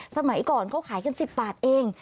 สมัยก่อนเขาขายกัน๑๐บาทเอง